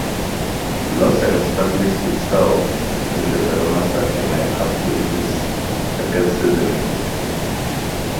Laursen established himself in the Verona starting lineup during his second season in Italy.